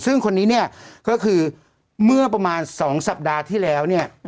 ซึ่งคนนี้เนี่ยก็คือเมื่อประมาณ๒สัปดาห์ที่แล้วเนี่ย